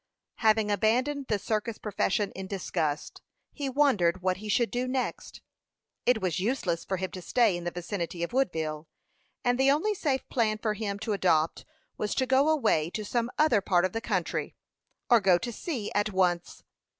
Having abandoned the circus profession in disgust, he wondered what he should do next. It was useless for him to stay in the vicinity of Woodville; and the only safe plan for him to adopt was, to go away to some other part of the country, or go to sea at once.